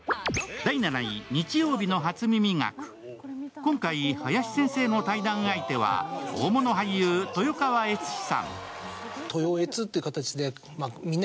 今回、林先生の対談相手は大物俳優・豊川悦司さん。